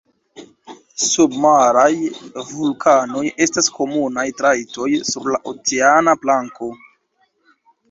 Submaraj vulkanoj estas komunaj trajtoj sur la oceana planko.